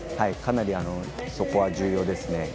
かなり、そこは重要ですね。